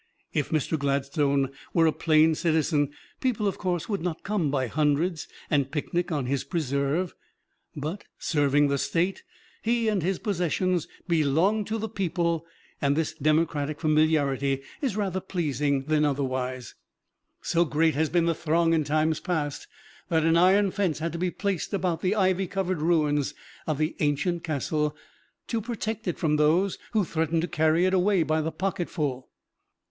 If Mr. Gladstone were a plain citizen, people, of course, would not come by hundreds and picnic on his preserve, but serving the State, he and his possessions belong to the people, and this democratic familiarity is rather pleasing than otherwise. So great has been the throng in times past, that an iron fence had to be placed about the ivy covered ruins of the ancient castle, to protect it from those who threatened to carry it away by the pocketful.